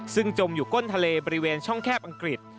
ซึ่งจมอยู่ก้นทะเลบริเวณช่องแคบอังกฤษ